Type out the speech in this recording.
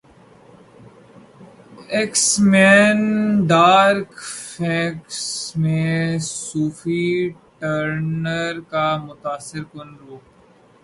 x Men Dark Phoenix میں Sophie Turner کا متاثر کن روپ